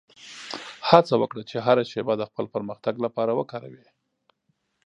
هڅه وکړه چې هره شېبه د خپل پرمختګ لپاره وکاروې او وخورې.